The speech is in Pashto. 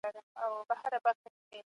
رښتيا ويل له دروغو څخه ډېر مهم دي.